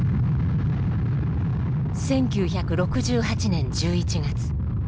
１９６８年１１月。